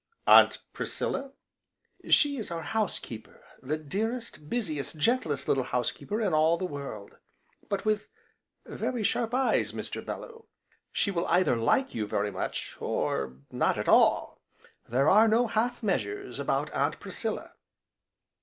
"Aunt Priscilla?" "She is our housekeeper, the dearest, busiest, gentlest little housekeeper in all the world; but with very sharp eyes, Mr. Bellew. She will either like you very much, or not at all! there are no half measures about Aunt Priscilla."